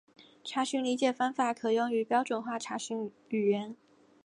查询理解方法可用于标准化查询语言。